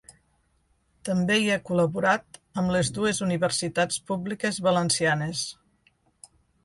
També hi ha col·laborat amb les dues universitats públiques valencianes.